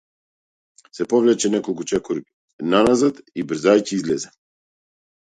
Се повлече неколку чекори наназад и брзајќи излезе.